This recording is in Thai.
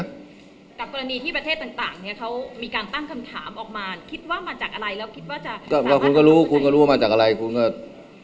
กับกรณีที่ประเทศต่างเขามีการตั้งคำถามออกมาคิดว่ามาจากอะไรแล้วคิดว่าจะ